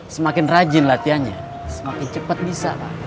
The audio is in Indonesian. semakin rajin latihannya semakin cepat bisa pak